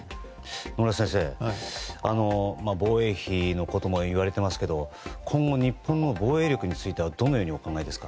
野村先生、防衛費のこともいわれてますけど今後、日本の防衛力についてはどのようにお考えですか？